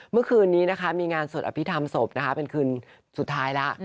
เมื่อคืนนี้นะคะมีงานสวดอภิษฐรรมศพนะคะเป็นคืนสุดท้ายแล้ว